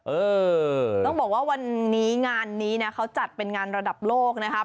เออต้องบอกว่าวันนี้งานนี้นะเขาจัดเป็นงานระดับโลกนะครับ